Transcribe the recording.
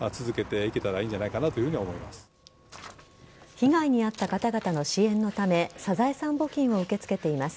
被害に遭った方々の支援のためサザエさん募金を受け付けています。